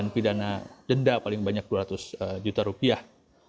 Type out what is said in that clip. pidana denda paling banyak dua ratus juta rupiah